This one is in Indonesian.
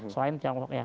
selain tiongkok ya